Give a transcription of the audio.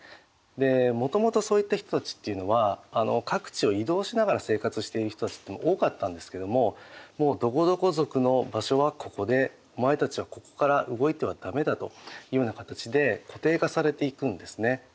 でもともとそういった人たちっていうのは各地を移動しながら生活している人たちっていうのは多かったんですけどももうどこどこ族の場所はここでお前たちはここから動いては駄目だというような形で固定化されていくんですね。